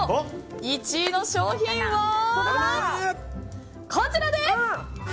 １位の商品はこちらです！